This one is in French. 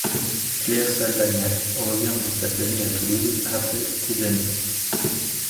Claire Salvagnac revient dans sa famille à Toulouse après des années.